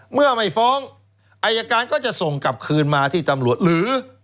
เมื่อไม่ฟ้องอายการก็จะส่งกลับคืนมาที่ตำรวจหรือ